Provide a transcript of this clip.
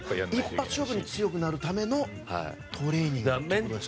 一発勝負に強くなるためのトレーニングと。